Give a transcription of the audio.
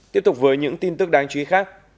tiếp tục với những tin tức đáng chú ý khác